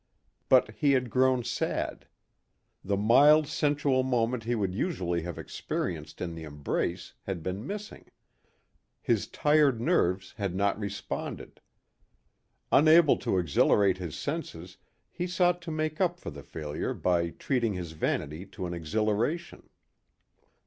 But he had grown sad. The mild sensual moment he would usually have experienced in the embrace had been missing. His tired nerves had not responded. Unable to exhilarate his senses he sought to make up for the failure by treating his vanity to an exhilaration.